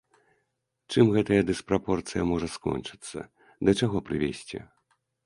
Чым гэтая дыспрапорцыя можа скончыцца, да чаго прывесці?